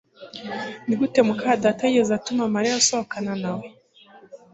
Nigute muka data yigeze atuma Mariya asohokana nawe?